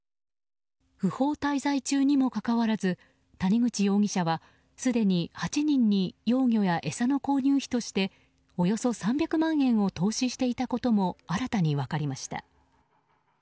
不法滞在中にもかかわらず谷口容疑者はすでに８人に幼魚や餌の購入費としておよそ３００万円を投資していたことも新たに分かりました。